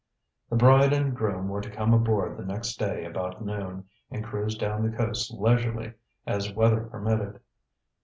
The bride and groom were to come aboard the next day about noon, and cruise down the coast leisurely, as weather permitted.